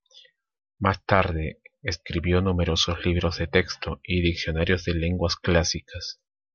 Más tarde escribió numerosos libros de texto y diccionarios de lenguas clásicas.